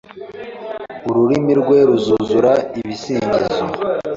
Ururimi rwe ruzuzura ibisingizo